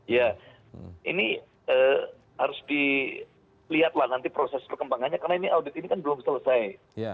ya ini harus dilihatlah nanti proses perkembangannya karena ini audit ini kan belum selesai